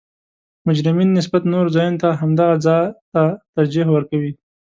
مجرمین نسبت نورو ځایونو ته همدغه ځا ته ترجیح ورکوي